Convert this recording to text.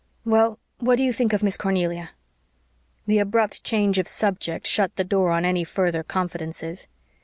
Well, what do you think of Miss Cornelia?" The abrupt change of subject shut the door on any further confidences.